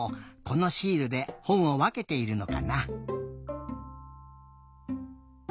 このシールでほんをわけているのかな？